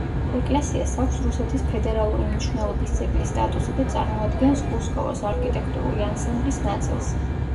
ეკლესიას აქვს რუსეთის ფედერალური მნიშვნელობის ძეგლის სტატუსი და წარმოადგენს კუსკოვოს არქიტექტურული ანსამბლის ნაწილს.